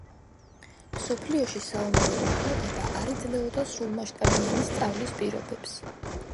მსოფლიოში საომარი მოქმედება არ იძლეოდა სრულმასშტაბიანი სწავლის პირობებს.